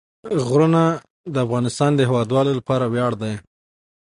غرونه د افغانستان د هیوادوالو لپاره ویاړ دی.